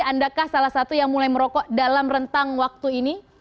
andakah salah satu yang mulai merokok dalam rentang waktu ini